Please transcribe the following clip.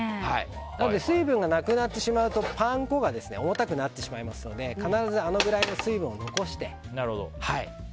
なので水分がなくなってしまうとパン粉が重たくなってしまいますので必ず、あのくらいの水分を残して。